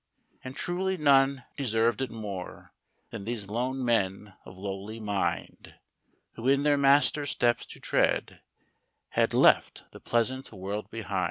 And truly none deserved it more, Than these lone men of lowly mind, Who, in their Master's steps to tread, Had Mt the pleasant world behind.